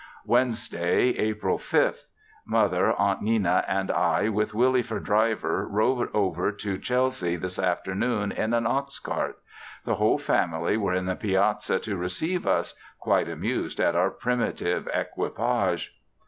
Wednesday, April 5th. Mother, Aunt Nenna and I with Willie for driver rode over to Chelsea this afternoon in an ox cart. The whole family were in the piazza to receive us, quite amused at our primitive equipage.